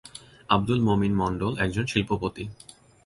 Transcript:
আবদুল মমিন মন্ডল একজন শিল্পপতি।